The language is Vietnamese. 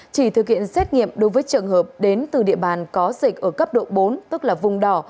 chỉ thực hiện xét nghiệm đối với trường hợp đến từ địa bàn có dịch ở cấp độ bốn tức là vùng đỏ